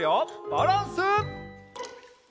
バランス。